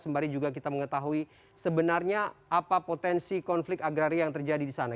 sembari juga kita mengetahui sebenarnya apa potensi konflik agraria yang terjadi di sana